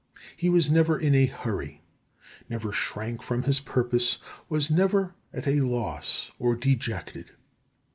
He was never in a hurry, never shrank from his purpose, was never at a loss or dejected.